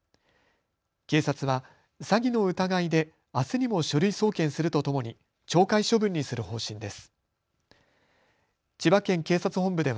警察は詐欺の疑いであすにも書類送検するとともに懲戒処分にする方針です。